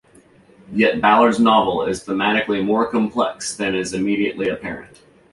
Yet Ballard's novel is thematically more complex than is immediately apparent.